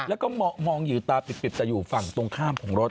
แล้วก็มองอยู่ตาปิบแต่อยู่ฝั่งตรงข้ามของรถ